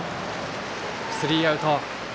スリーアウト。